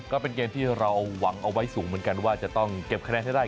ก็เป็นเกมที่เราหวังเอาไว้สูงเหมือนกันว่าจะต้องเก็บคะแนนให้ได้